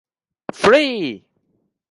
ฟรี !